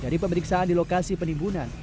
dari pemeriksaan di lokasi penimbunan